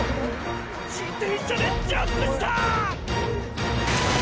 自転車でジャンプした！！